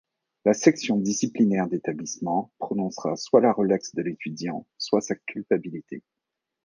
La section disciplinaire d'établissement prononcera soit la relaxe de l'étudiant, soit sa culpabilité.